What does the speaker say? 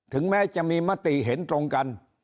แม้จะมีมติเห็นตรงกัน